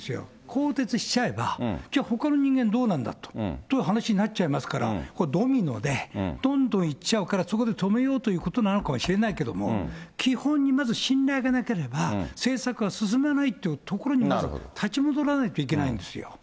更迭しちゃえば、じゃあ、ほかの人間どうなんだという話になっちゃいますから、これ、ドミノでどんどんいっちゃうから、そこで止めようということなのかもしれないけど、基本にまず信頼がなければ、政策は進めないというところにまず立ち戻らないといけないんです